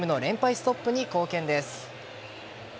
ストップに貢献です。